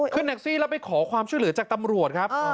ขึ้นแท็กซี่แล้วไปขอความช่วยเหลือจากตำรวจครับ